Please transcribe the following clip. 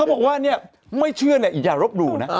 ปานิดาเงียบ